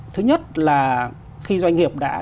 thứ nhất là khi doanh nghiệp đã